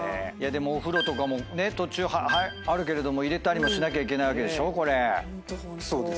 でもお風呂とかも途中あるけれども入れたりもしなきゃいけないわけでしょ。